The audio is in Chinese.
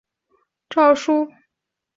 隆裕皇太后懿旨颁布宣统帝退位诏书。